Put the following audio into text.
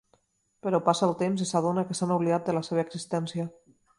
Però passa el temps i s'adona que s'han oblidat de la seva existència.